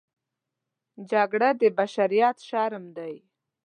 جګړه د بشریت شرم دی